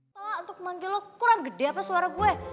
pak untuk manggil lo kurang gede apa suara gue